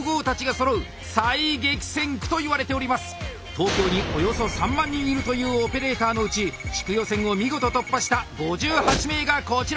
東京におよそ３万人いるというオペレーターのうち地区予選を見事突破した５８名がこちら。